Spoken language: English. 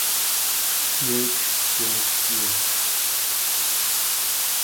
The Center-West region is the least populated from Brazil.